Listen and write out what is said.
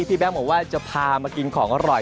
แบงค์บอกว่าจะพามากินของอร่อย